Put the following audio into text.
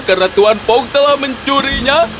karena tuan fogg telah mencurinya